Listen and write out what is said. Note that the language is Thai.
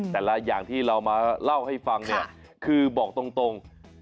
แต่ละอย่างที่เรามาเล่าให้ฟังเนี่ยคือบอกตรง